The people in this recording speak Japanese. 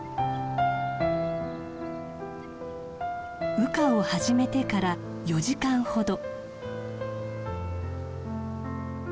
羽化を始めてから４時間ほど。